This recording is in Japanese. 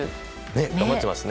頑張ってますね。